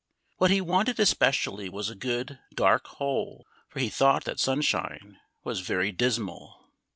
What he wanted especially was a good, dark hole, for he thought that sunshine was very dismal.